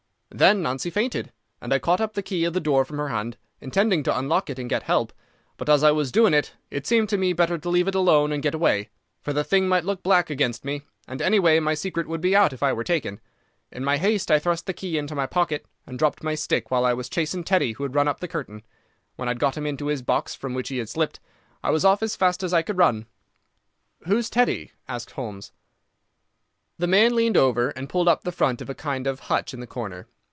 "Then Nancy fainted, and I caught up the key of the door from her hand, intending to unlock it and get help. But as I was doing it it seemed to me better to leave it alone and get away, for the thing might look black against me, and any way my secret would be out if I were taken. In my haste I thrust the key into my pocket, and dropped my stick while I was chasing Teddy, who had run up the curtain. When I got him into his box, from which he had slipped, I was off as fast as I could run." "Who's Teddy?" asked Holmes. The man leaned over and pulled up the front of a kind of hutch in the corner.